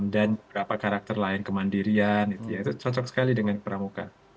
dan karakter lain kemandirian itu cocok sekali dengan peramuka